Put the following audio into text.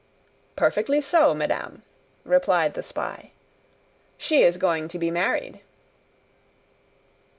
"Perfectly so, madame," replied the spy. "She is going to be married."